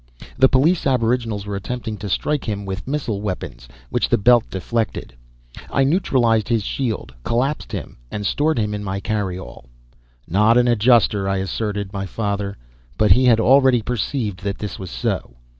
The police aboriginals were attempting to strike him with missile weapons, which the belt deflected. I neutralized his shield, collapsed him and stored him in my carry all. "Not an Adjuster," I asserted my father, but he had already perceived that this was so.